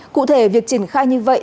cụ thể việc triển khai như vậy